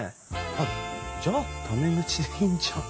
あっじゃあタメ口でいいじゃん。